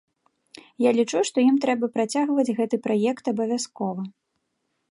Я лічу, што ім трэба працягваць гэты праект абавязкова.